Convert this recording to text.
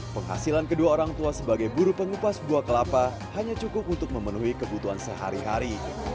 penghasilan kedua orang tua sebagai buru pengupas buah kelapa hanya cukup untuk memenuhi kebutuhan sehari hari